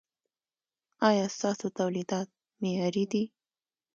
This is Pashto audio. ایا ستاسو تولیدات معیاري دي؟